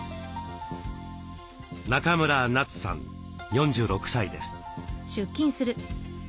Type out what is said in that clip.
中村奈都さん４６歳です。